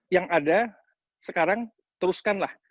yang ada sekarang teruskanlah